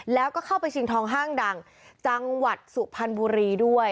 แล้วก็เข้าไปชิงทองห้างดังจังหวัดสุพรรณบุรีด้วย